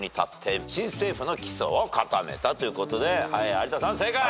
有田さん正解。